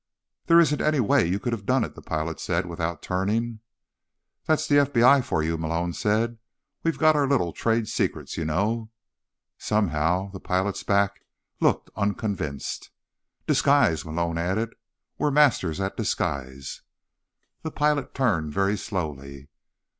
"There isn't any way you could have done it," the pilot said without turning. "That's the FBI for you," Malone said. "We've got our little trade secrets, you know." Somehow, the pilot's back looked unconvinced. "Disguise," Malone added. "We're masters of disguise." The pilot turned very slowly.